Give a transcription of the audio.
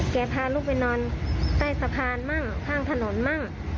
แกพาลูกไปนอนใต้สะพานบ้างข้างถนนบ้าง